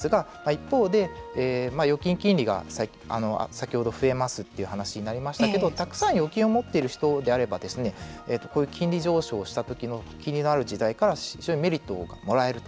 一方で、預金金利が先ほど増えますという話になりましたけれどもたくさん預金を持っている人であればこういう金利上昇した時の金利のある時代から非常にメリットをもらえると。